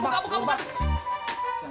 ya ampun ya ampun